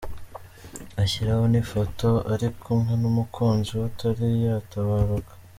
Ashyiraho n’ifoto ari kumwe n’umukunzi we Atari yatabaruka.